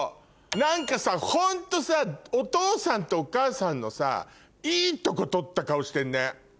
何かさホントさお父さんとお母さんのさいいとこ取った顔してるね。